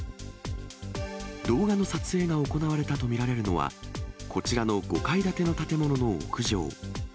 動画の撮影が行われたと見られるのは、こちらの５階建ての建物の屋上。